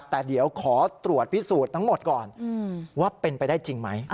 แต่เดี๋ยวขอตรวจพิสูจน์ทั้งหมดก่อนว่าเป็นไปได้จริงไหม